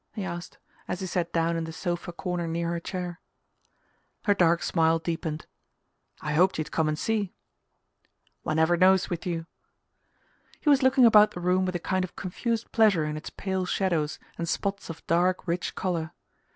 he asked, as he sat down in the sofa corner near her chair. Her dark smile deepened. "I hoped you'd come and see." "One never knows, with you." He was looking about the room with a kind of confused pleasure in its pale shadows and spots of dark rich colour.